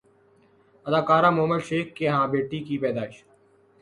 اداکارہ مومل شیخ کے ہاں بیٹی کی پیدائش